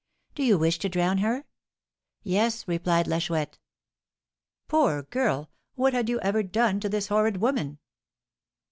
Do you wish to drown her?' 'Yes,' replied La Chouette." "Poor girl! What had you ever done to this horrid woman?"